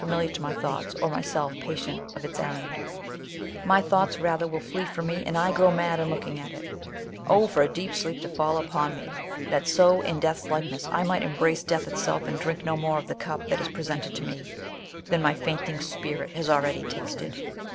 miliar to my thoughts ; or myself, ne\ved anguish, exclaimed, —" Oh, patient of its errand. My thoughts, my God! my God! You alone have rather, will flee from me, and I grow for a d mad in looking at it. Oh ! tor a deep sleep to fall upon me ! That so, iu death's likeness, I might embrace death itself, and drink no more of the cup that is presented to me, than my fainting spirit has already tasted